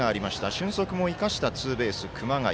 俊足も生かしたツーベース熊谷。